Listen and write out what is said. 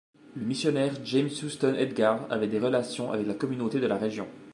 Le missionnaire James Huston Edgar avait des relations avec la communauté de la région.